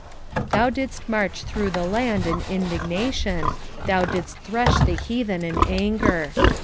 3:12 Thou didst march through the land in indignation, thou didst thresh the heathen in anger.